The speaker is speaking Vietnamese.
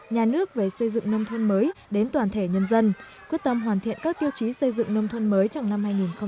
nhà nước về xây dựng nông thôn mới đến toàn thể nhân dân quyết tâm hoàn thiện các tiêu chí xây dựng nông thôn mới trong năm hai nghìn một mươi tám